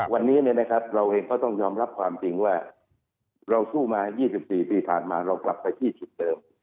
วันนี้เราเองก็ต้องยอมรับความจริงว่าเราสู้มา๒๔ปีผ่านมาเรากลับไปที่ชุดเดิม